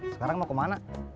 sekarang mau kemana